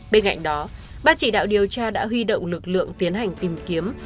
bên cạnh đó ban chỉ đạo điều tra đã huy động lực lượng tiến hành tìm kiếm